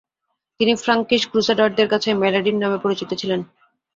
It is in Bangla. তিনি ফ্রাঙ্কিশ ক্রুসেডারদের কাছে মেলেডিন নামে পরিচিত ছিলেন।